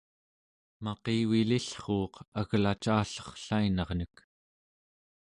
maqivilillruuq algacallerrlainarnek